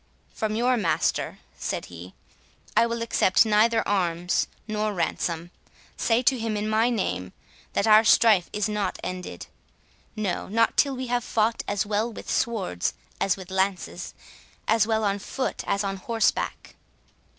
"From your master," said he, "I will accept neither arms nor ransom. Say to him in my name, that our strife is not ended—no, not till we have fought as well with swords as with lances—as well on foot as on horseback.